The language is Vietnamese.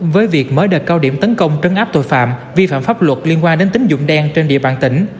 với việc mở đợt cao điểm tấn công trấn áp tội phạm vi phạm pháp luật liên quan đến tính dụng đen trên địa bàn tỉnh